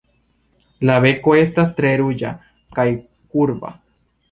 La beko estas tre ruĝa, kaj kurba.